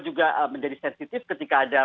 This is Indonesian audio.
juga menjadi sensitif ketika ada